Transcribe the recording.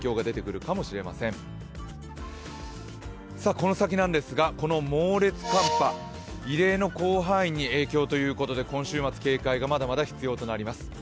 この先なんですがこの猛烈寒波、異例の広範囲に影響ということで今週末、警戒がまだまだ必要となります。